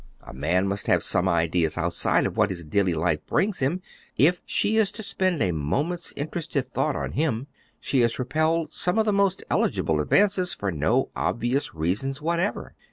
A man must have some ideas outside of what his daily life brings him, if she is to spend a moment's interested thought on him. She has repelled some of the most eligible advances for no obvious reasons whatever.